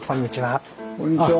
あっこんにちは。